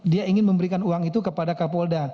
dia ingin memberikan uang itu kepada kapolda